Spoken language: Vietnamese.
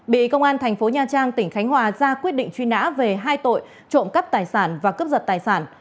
bị công an thành phố nha trang tỉnh khánh hòa ra quyết định truy nã về hai tội trộm cắp tài sản và cướp giật tài sản